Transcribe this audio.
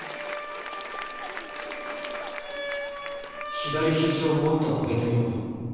左肘をもっと上げてみろ。